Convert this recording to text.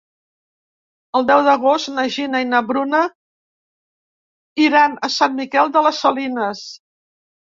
El deu d'agost na Gina i na Bruna iran a Sant Miquel de les Salines.